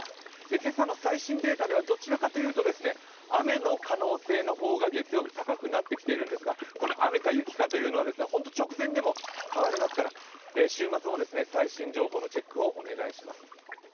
今朝の最新データではどちらかというと雨の可能性の方が月曜日、高くなってきているんですが、この雨か雪かというのは直前でも変わりますから、週末も最新情報のチェックをお願いします。